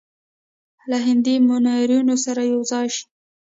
له هندي منورینو سره یو ځای شي.